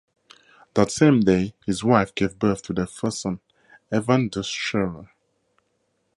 That same day, his wife gave birth to their first son, Evan Duchscherer.